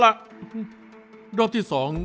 แล้วผมต้องมาหาได้จากเขาห้ามเพื่อพี่มาเอง